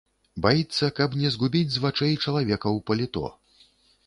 Баіцца, каб не згубіць з вачэй чалавека ў паліто.